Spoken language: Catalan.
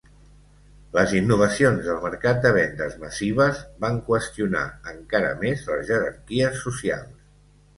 Les innovacions del mercat de vendes massives van qüestionar encara més les jerarquies socials.